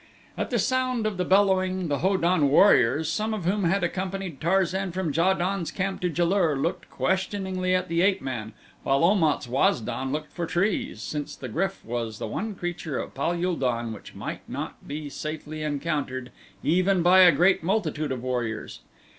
At the sound of the bellowing the Ho don warriors, some of whom had accompanied Tarzan from Ja don's camp to Ja lur, looked questioningly at the ape man while Om at's Waz don looked for trees, since the GRYF was the one creature of Pal ul don which might not be safely encountered even by a great multitude of warriors.